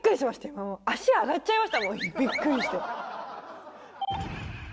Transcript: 今、もう、足上がっちゃいましたもん、びっくりして。